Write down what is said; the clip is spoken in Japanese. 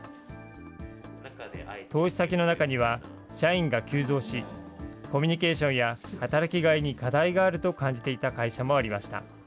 投資先の中には、社員が急増し、コミュニケーションや働きがいに課題があると感じていた会社もありました。